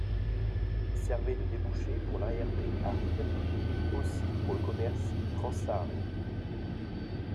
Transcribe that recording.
Ils servaient de débouchés pour l'arrière-pays aride et aussi pour le commerce transsaharien.